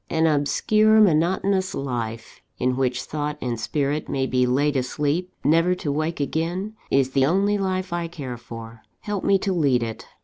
An obscure, monotonous life, in which thought and spirit may be laid asleep, never to wake again, is the only life I care for. Help me to lead it.